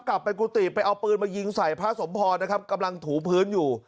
กุฏิไปเอาปืนมายิงใส่พระสมพรนะครับกำลังถูพื้นอยู่